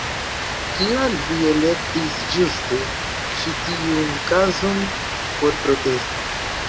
Kial vi elektis ĝuste ĉi tiun kazon por protesti?